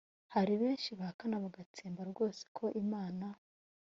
hari benshi bahakana bagatsemba rwose ko imana